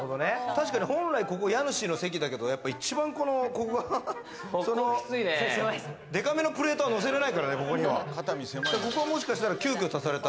本来ここ家主の席だけれども、一番このでかめのプレートは、載せれないからね、ここには。